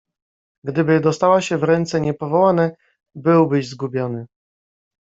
"Gdyby dostała się w ręce niepowołane, byłbyś zgubiony."